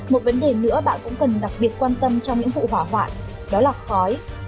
một vấn đề nữa bạn cũng cần đặc biệt quan tâm trong những vụ hỏa hoạn đó là khói